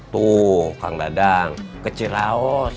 tuh kang dadang kecil